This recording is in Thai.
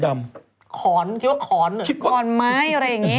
ขอนเขียนว่าขอนเหรอขอนไม้อะไรอย่างนี้